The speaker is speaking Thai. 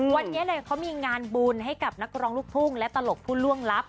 วันนี้เขามีงานบุญให้กับนักร้องลูกทุ่งและตลกผู้ล่วงลับ